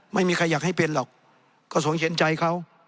ไม่มีใครอยากให้เป็นหรอกก็สงเห็นใจเขา